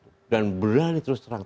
terang terang terus terang